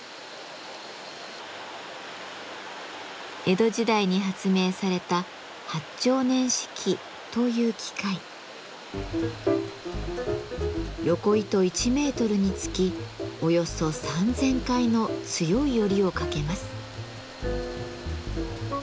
江戸時代に発明されたヨコ糸１ｍにつきおよそ３，０００回の強いヨリをかけます。